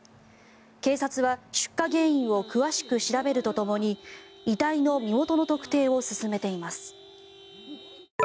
警察は出火原因を詳しく調べるとともに遺体の身元の特定を進めています。